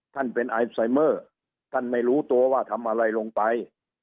ท่านเป็นไอไซเมอร์ท่านไม่รู้ตัวว่าทำอะไรลงไป